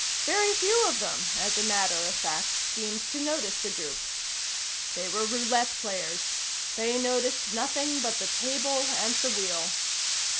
Very few of them, as a matter of fact, seemed to notice the group. They were roulette players. They noticed nothing but the table and the wheel.